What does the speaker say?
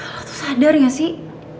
lo tuh sadar gak sih